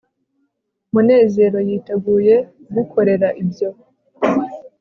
munezero yiteguye kugukorera ibyo